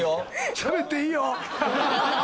しゃべっていいよ。